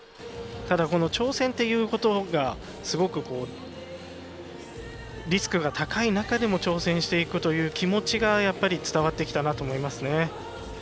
ただ、挑戦ということがすごくリスクが高い中でも挑戦していくという気持ちが伝わってきたなと思いますね。